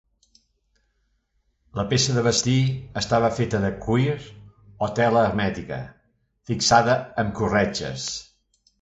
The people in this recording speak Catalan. La peça de vestir estava feta de cuir o tela hermètica, fixada amb corretges.